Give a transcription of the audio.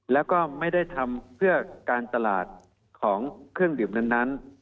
แล้วก็ไม่ได้ทำเพื่อการตลาดของเครื่องดื่มนั้น